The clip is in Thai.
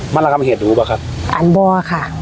มันระงับเหตุดูป่ะครับอันบัวค่ะ